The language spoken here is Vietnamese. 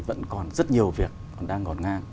vẫn còn rất nhiều việc đang gọn ngang